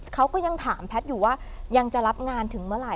เขาก็ยังถามแพทย์อยู่ว่ายังจะรับงานถึงเมื่อไหร่